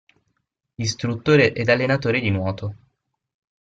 Istruttore ed allenatore di nuoto.